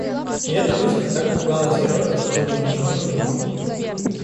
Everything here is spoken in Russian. И эта мысль так пугала Сережу, что он уже ничего не понимал.